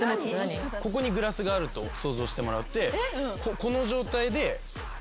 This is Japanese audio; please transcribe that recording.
ここにグラスがあると想像してもらってこの状態でこう飲む。